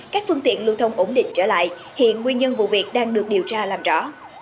các phương tiện lưu thông ổn định trở lại hiện nguyên nhân vụ việc đang được điều tra làm rõ